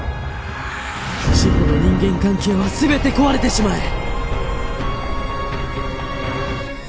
志法の人間関係は全て壊れてしまえ！